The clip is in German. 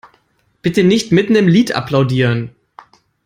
Bitte nicht mitten im Lied applaudieren!